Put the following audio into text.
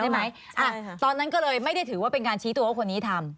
ตอนนั้นก็เลยไม่ได้ถือว่าเป็นการชี้ตัวว่าคนนี้ทำ